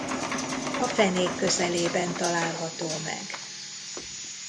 A fenék közelében található meg.